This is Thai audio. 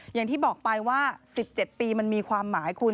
อย่างที่บอกไปว่า๑๗ปีมันมีความหมายคุณ